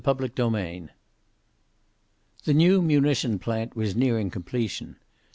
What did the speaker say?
CHAPTER XXVI The new munition plant was nearing completion.